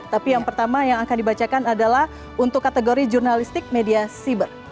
tapi yang pertama yang akan dibacakan adalah untuk kategori jurnalistik media siber